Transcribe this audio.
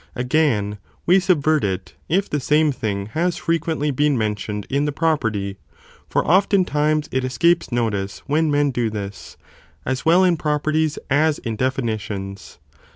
4. Alsoifthere Again, we subvert it, if the same thing has fre be frequent § quently been mentioned in the property, for often repetition. times it escapes notice when men do this, as well in properties as in definitions.